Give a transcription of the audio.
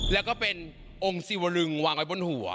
แล้วก็เป็นองค์สิวลึงวางไว้บนหัว